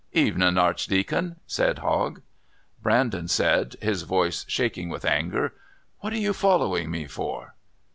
"Evening, Archdeacon," said Hogg. Brandon said, his voice shaking with anger: "What are you following me for?"